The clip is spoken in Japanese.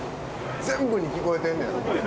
全部に聞こえてんねやろ。